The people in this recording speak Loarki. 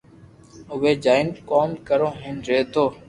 اووي جايون ڪوم ڪرو ھين رھيو